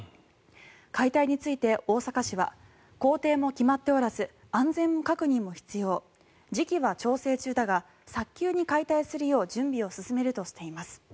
解体について大阪市は工程も決まっておらず安全確認も必要時期は調整中だが早急に解体するよう準備を進めるとしています。